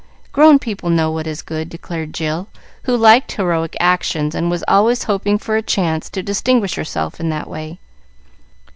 Grown people know what is good," declared Jill, who liked heroic actions, and was always hoping for a chance to distinguish herself in that way.